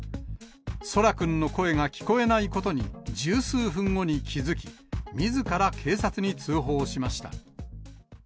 奏良くんの声が聞こえないことに十数分後に気付き、みずから警察に通報しました。